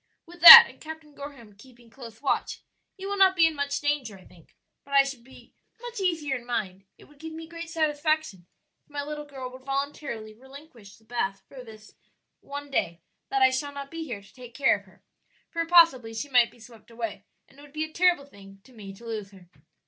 With that, and Captain Gorham keeping close watch, you will not be in much danger, I think; but I should be much easier in mind it would give me great satisfaction if my little girl would voluntarily relinquish the bath for this one day that I shall not be here to take care of her, for possibly she might be swept away, and it would be a terrible thing to me to lose her."